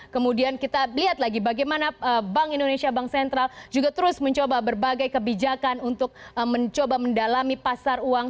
kemudian kita lihat lagi bagaimana bank indonesia bank sentral juga terus mencoba berbagai kebijakan untuk mencoba mendalami pasar uang